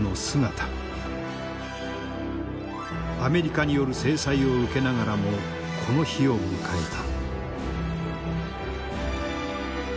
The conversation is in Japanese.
アメリカによる制裁を受けながらもこの日を迎えた。